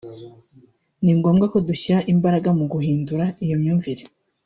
Ni ngombwa ko dushyira imbaraga mu guhindura iyo myumvire